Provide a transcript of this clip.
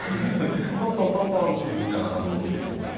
「トントントントン」って言ってみんな来てくれます。